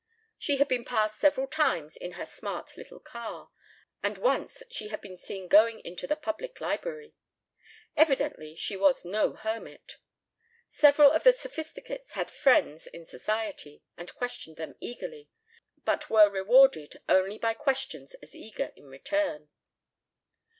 She had been passed several times in her smart little car, and once she had been seen going into the Public Library. Evidently she was no hermit. Several of the Sophisticates had friends in Society and questioned them eagerly, but were rewarded only by questions as eager in return.